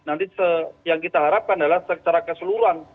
nanti yang kita harapkan adalah secara keseluruhan